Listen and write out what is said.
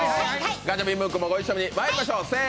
ガチャピンムックもご一緒にまいりましょう。